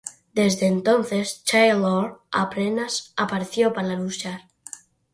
Desde entonces, Taylor apenas apareció para luchar.